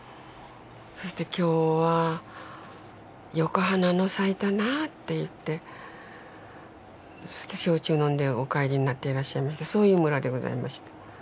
そして「今日はよか花の咲いたな」って言って焼酎飲んでお帰りになっていらっしゃいましてそういう村でございました。